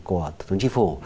của thủ tướng chính phủ